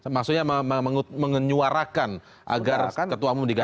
maksudnya menyuarakan agar ketua umum diganti